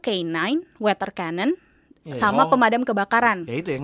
k sembilan water cannon sama pemadam kebakaran